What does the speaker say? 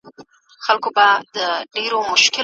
د خدمتونو وړاندې کول اړین سول.